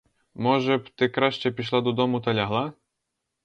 Може б, ти краще пішла додому та лягла?